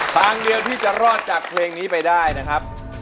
ทางเดียวที่จะรอดจากเพลงนี้ไปได้นะครับ